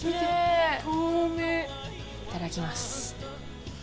透明いただきます。